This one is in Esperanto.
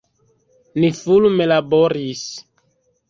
Ni fulme laboris.